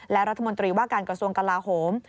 และรัฐมนตรีว่าการกระทรวงกลาโหม